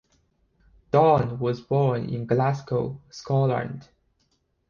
Dunn was born in Glasgow, Scotland.